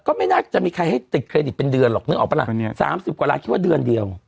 ไม่น่าจะมีใครให้ติดเครดิตเป็นเดือนหรอกนึกออกปะล่ะสามสิบกว่าล้านคิดว่าเดือนเดียว